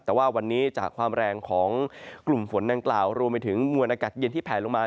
แต่ว่าวันนี้จากความแรงของกลุ่มฝนดังกล่าวรวมไปถึงมวลอากาศเย็นที่แผลลงมา